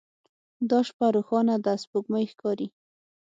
دا شپه روښانه ده سپوږمۍ ښکاري